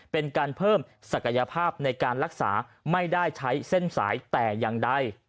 เป็นการเพิ่มศักยภาพในการรักษาไม่ได้ใช้เส้นสายแต่อย่างใด